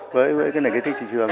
với cái này cái thị trường